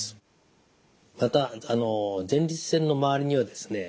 また前立腺の周りにはですね